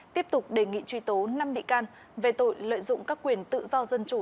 tiếp tục đề nghị truy tố năm bị can về tội lợi dụng các quyền tự do dân chủ